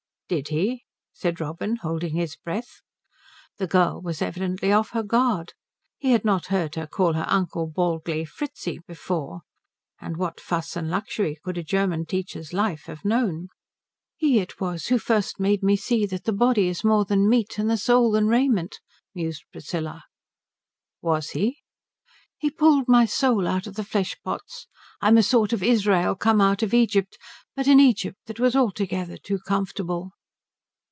"Did he?" said Robin, holding his breath. The girl was evidently off her guard. He had not heard her call her uncle baldly Fritzi before; and what fuss and luxury could a German teacher's life have known? "He it was who first made me see that the body is more than meat and the soul than raiment," mused Priscilla. "Was he?" "He pulled my soul out of the flesh pots. I'm a sort of Israel come out of Egypt, but an Egypt that was altogether too comfortable."